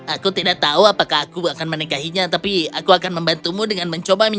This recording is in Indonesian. aku tidak tahu apakah aku akan menikahinya tapi aku akan membantumu dengan mencoba mie